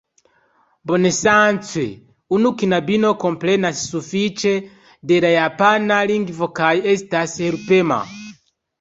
Bonŝance, unu knabino komprenas sufiĉe de la japana lingvo kaj estas helpema.